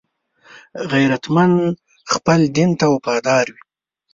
غیرتمند خپل دین ته وفادار وي